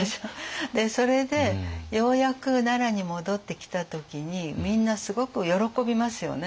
でそれでようやく奈良に戻ってきた時にみんなすごく喜びますよね。